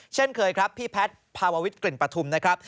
เช่นเคยครับพี่แพทย์ภาววิทกลิ่นปฐุมนะครับ